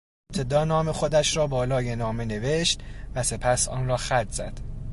ابتدا نام خودش را بالای نامه نوشت و سپس آن را خط زد.